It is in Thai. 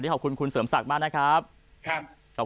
ขอบคุณคุณเสริมศักดิ์มากนะครับ